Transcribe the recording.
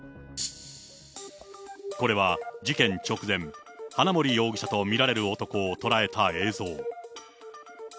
これは事件直前、花森容疑者と見られる男を捉えた映像。